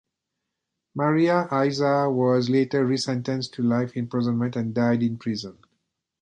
Maria Isa was later resentenced to life imprisonment and died in prison.